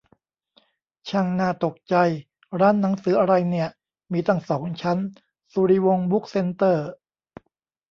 ช่างน่าตกใจ ร้านหนังสืออะไรเนี่ย มีตั้งสองชั้น สุริวงศ์บุ๊คเซ็นเตอร์